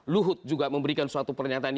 luhut juga memberikan suatu pernyataan